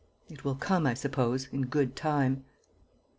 It will come, I suppose, in good time."